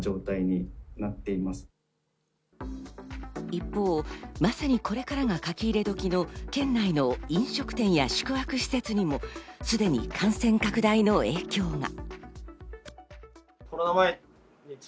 一方、まさにこれからがかきいれ時の県内の飲食店や宿泊施設にもすでに感染拡大の影響が。